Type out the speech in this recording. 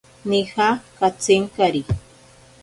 Nija katsinkari.